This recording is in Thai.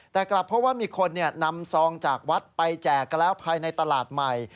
แต่กลับเพราะว่ามีคนนำซองจากวัดไปแจกกันแล้วภายในตลาดใหม่